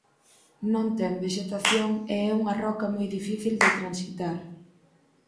Non ten vexetación e é unha roca moi difícil de transitar.